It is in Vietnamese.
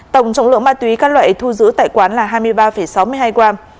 tổng trọng lượng ma túy các loại thu giữ tại quán là hai mươi ba sáu mươi hai gram